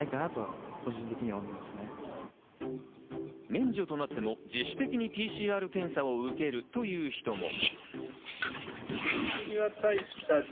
免除となっても自主的にＰＣＲ検査を受けるという人も。